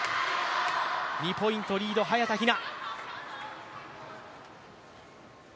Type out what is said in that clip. ２ポイントリード、早田ひな。